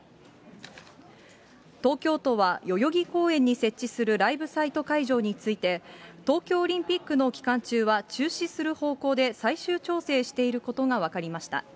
東京都は代々木公園に設置するライブサイト会場について、東京オリンピックの期間中は中止する方向で、最終調整していることが分かりました。